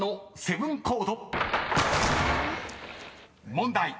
［問題］